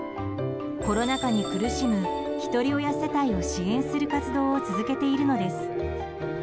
コロナ禍に苦しむひとり親世帯を支援する活動を続けているのです。